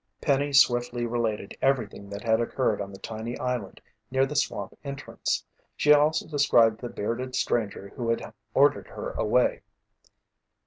Penny swiftly related everything that had occurred on the tiny island near the swamp entrance. She also described the bearded stranger who had ordered her away.